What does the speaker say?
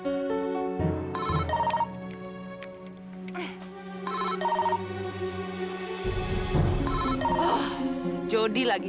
jodi lagi jodi lagi